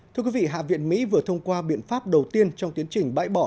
thưa quý vị hạ viện mỹ vừa thông qua biện pháp đầu tiên trong tiến trình bãi bỏ